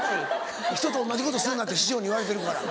ひとと同じことするなって師匠に言われてるから。